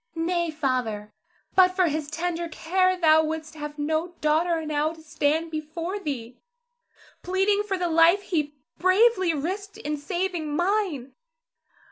Zara. Nay, Father; but for his tender care thou wouldst have no daughter now to stand before thee, pleading for the life he bravely risked in saving mine.